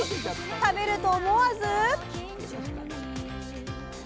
食べると思わず。